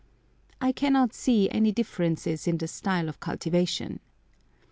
I cannot see any differences in the style of cultivation.